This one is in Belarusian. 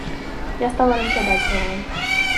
Я стала разглядаць яго.